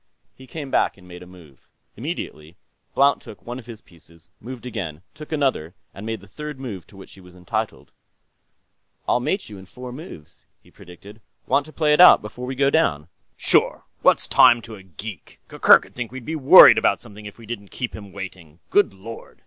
He came back and made a move. Immediately, Blount took one of his pieces, moved again, took another, and made the third move to which he was entitled. "I'll mate you in four moves," he predicted. "Want to play it out, before we go down?" "Sure; what's time to a geek? Gurgurk'd think we were worried about something if we didn't keep him waiting.... Good Lord!